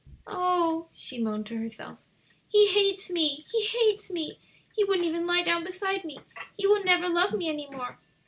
"Oh," she moaned to herself, "he hates me, he hates me! he wouldn't even lie down beside me! he will never love me any more."